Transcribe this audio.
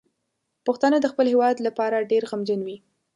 پښتانه د خپل هیواد لپاره ډیر غمجن دي.